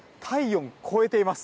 体温を超えています。